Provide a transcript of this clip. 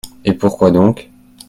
Et pourquoi donc ?